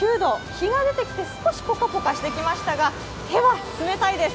日が出てきて、少しぽかぽかしてきましたが、手は冷たいです。